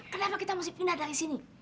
kenapa kita mesti pindah dari sini